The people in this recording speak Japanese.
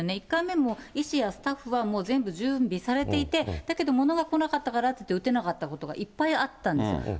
１回目も医師やスタッフはもう全部準備されていて、だけど物が来なかったからといって打てなかったことがいっぱいあったんですよ。